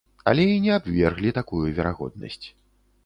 Але і не абверглі такую верагоднасць.